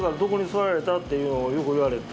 だからっていうのをよく言われて。